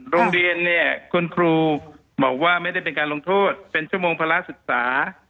โรงเรียนเนี่ยคุณครูบอกว่าไม่ได้เป็นการลงโทษเป็นชั่วโมงภาระศึกษา